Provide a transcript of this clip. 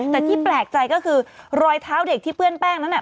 แต่ที่แปลกใจก็คือรอยเท้าเด็กที่เปื้อนแป้งนั้น